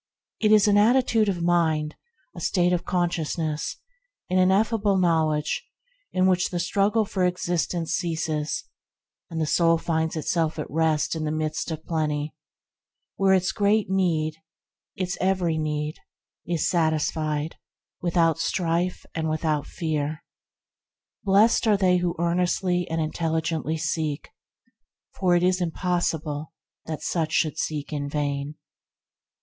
It is an attitude of mind, a state of consciousness, an ineffable knowledge, in which the struggle for exist ence ceases and the soul finds itself at rest in the midst of plenty, where its great need, yea, its every need, is satisfied, with out strife and without fear. Blessed are they who earnestly and intelligently seek it, for it is impossible that such should seek in vain.